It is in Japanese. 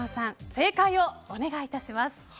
正解をお願い致します。